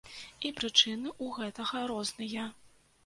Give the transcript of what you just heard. І прычыны ў гэтага розныя.